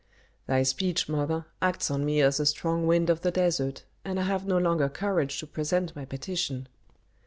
"Thy speech, mother, acts on me as a strong wind of the desert, and I have no longer courage to present my petition."